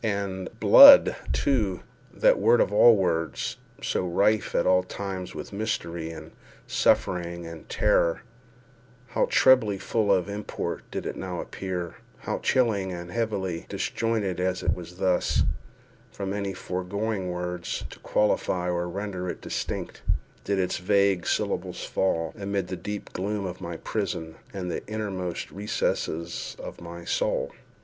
And "blood," too, that word of all words—so rife at all times with mystery, and suffering, and terror—how trebly full of import did it now appear—how chilly and heavily (disjointed, as it thus was, from any foregoing words to qualify or render it distinct) did its vague syllables fall, amid the deep gloom of my prison, into the innermost recesses of my soul!